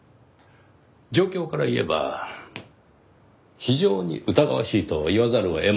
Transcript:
状況から言えば非常に疑わしいと言わざるを得ません。